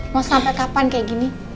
mau sampai kapan kayak gini